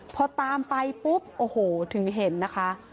พอตามไปปุ๊บโอ้โหถึงเห็นนะคะ